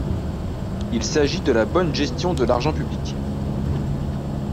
Il s’agit de la bonne gestion de l’argent public.